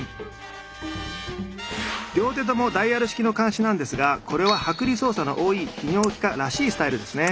両手ともダイヤル式の鉗子なんですがこれは剥離操作の多い泌尿器科らしいスタイルですね。